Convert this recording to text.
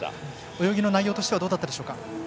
泳ぎの内容としてはどうだったでしょうか？